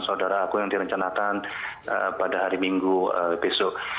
dan juga agung yang direncanakan pada hari minggu besok